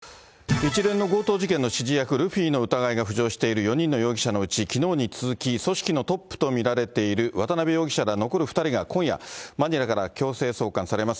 一連の強盗事件の指示役、ルフィの疑いが浮上している４人の容疑者のうち、きのうに続き、組織のトップと見られている渡辺容疑者ら残る２人が今夜、マニラから強制送還されます。